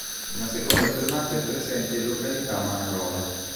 Una seconda fermata è presente in località Manarola.